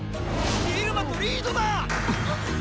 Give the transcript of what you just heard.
・イルマとリードだ！